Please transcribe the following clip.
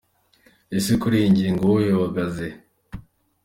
Ese kuri iyi ngingo wowe uhagaze he?.